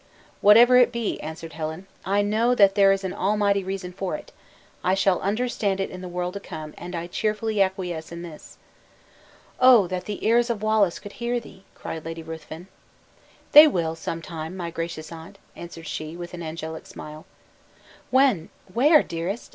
"Whatever it be," answered Helen, "I know that there is an Almighty reason for it; I shall understand it in the world to come, and I cheerfully acquiesce in this." "Oh! that the ears of Wallace could hear thee!" cried Lady Ruthven. "They will, some time, my gracious aunt," answered she, with an angelic smile. "When? where, dearest?"